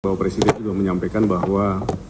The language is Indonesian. bapak presiden sudah menyampaikan bahwa